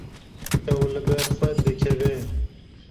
Ew li ber xwe dikeve.